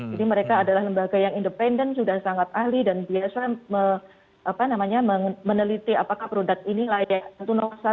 jadi mereka adalah lembaga yang independen sudah sangat ahli dan biasa meneliti apakah produk ini layak